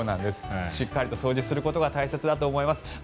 しっかりと掃除することが大切だと思います。